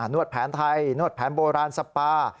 วดแผนไทยนวดแผนโบราณสปา